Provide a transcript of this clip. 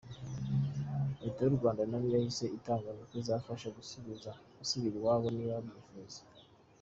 Leta y’u Rwanda nayo yahise itangaza ko izabafasha gusubira iwabo niba babyifuza.